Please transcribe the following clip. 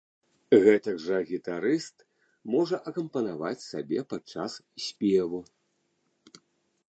Гэтак жа гітарыст можа акампанаваць сабе падчас спеву.